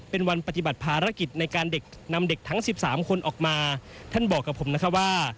เป็นวันปฏิบัติภารกิจในการเด็กนำเด็กทั้ง๑๓คนออกมาท่านบอกกับผมนะคะว่า